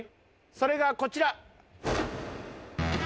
それがこちら！